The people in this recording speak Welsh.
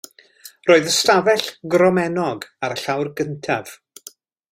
Roedd ystafell gromennog ar y llawr cyntaf.